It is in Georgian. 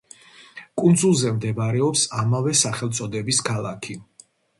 კუნძულზე მდებარეობს ამავე სახელწოდების ქალაქი.